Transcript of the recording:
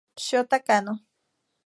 Shota Kanno